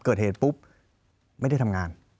เกิดเหตุปุ๊บไม่ได้ทำงาน